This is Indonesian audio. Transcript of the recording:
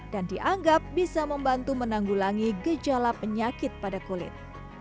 dan dianggap bisa membantu menanggulangi gejala penyakit pada kulit